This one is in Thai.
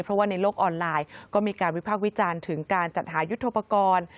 เพราะว่าในโลกออนไลน์ก็มีการวิพากษ์วิจารณ์ถึงการจัดหายุทธโปรกรณ์